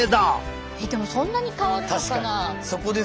えっでもそんなに変わるのかな？